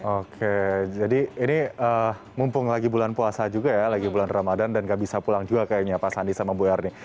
oke jadi ini mumpung lagi bulan puasa juga ya lagi bulan ramadan dan gak bisa pulang juga kayaknya pak sandi sama bu erni